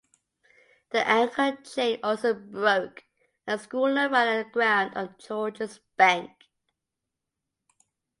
The anchor chain also broke, and the schooner ran aground on Georges Bank.